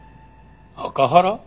アカハラ？